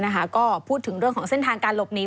ก็พูดเวลาของเส้นทางการหลบหนี